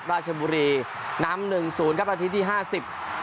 ราชบุรีน้ำ๑๐ครับนาทีที่๕๐